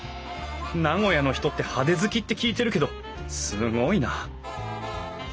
名古屋の人って派手好きって聞いてるけどすごいな。